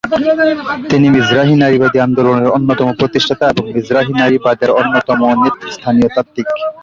তিনি মিজরাহি নারীবাদী আন্দোলনের অন্যতম প্রতিষ্ঠাতা, এবং মিজরাহি নারীবাদের অন্যতম নেতৃস্থানীয় তাত্ত্বিক।